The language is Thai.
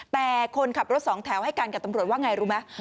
แต่คนขับรถสองแถวให้กันกับตำรวจว่าไงรู้ไหม